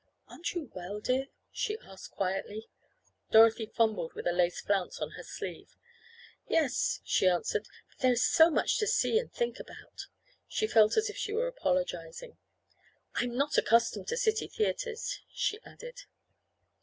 "Aren't you well, dear?" she asked quietly. Dorothy fumbled with a lace flounce on her sleeve. "Yes," she answered, "but there is so much to see and think about." She felt as if she were apologizing. "I am not accustomed to city theatres," she added.